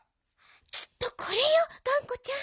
きっとこれよがんこちゃん。